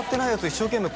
一生懸命